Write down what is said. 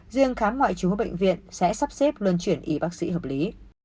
duyên khám ngoại trú bệnh viện sẽ sắp xếp luân chuyển y bác sĩ hợp lý